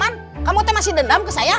kan kamu masih dendam ke saya